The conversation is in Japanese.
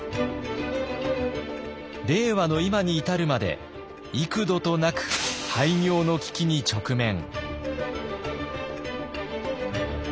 令和の今に至るまで幾度となく廃業の危機に直面。